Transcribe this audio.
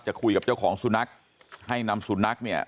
คุยกับเจ้าของสุนัขให้นำสุนัขเนี่ย